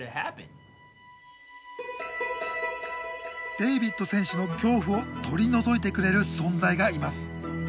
デイビッド選手の恐怖を取り除いてくれる存在がいます。